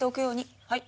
はい。